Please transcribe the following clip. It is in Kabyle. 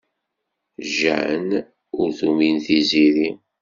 Jane ur tumin Tiziri.